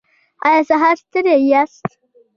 ایا سهار ستړي یاست؟